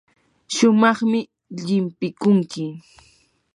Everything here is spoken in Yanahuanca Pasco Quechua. shumaqmi llimpikunki.